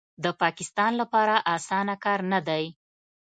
د پاکستان لپاره اسانه کار نه دی